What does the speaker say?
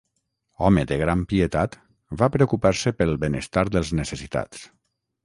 Home de gran pietat, va preocupar-se pel benestar dels necessitats.